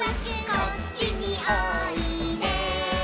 「こっちにおいで」